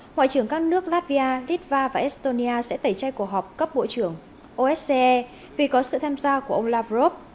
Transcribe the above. ngoại trưởng các nước latvia litva và estonia sẽ tẩy chay cuộc họp cấp bộ trưởng osce vì có sự tham gia của ông lavrov